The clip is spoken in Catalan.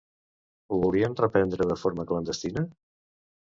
Ho volien reprendre de forma clandestina?